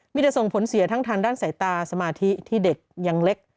มีแต่ส่งผลเสียทั้งทางด้านสายตาสมาธิที่เด็กยังเล็ก